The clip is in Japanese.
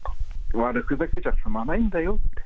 悪ふざけじゃ済まないんだよって。